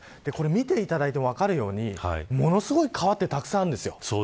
見ていただいても分かるようにものすごい川ってたくさんあるんですよ。